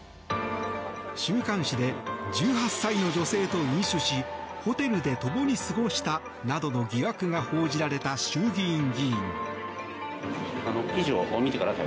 週刊誌で１８歳の女性と飲酒しホテルでともに過ごしたなどの疑惑が報じられた衆議院議員。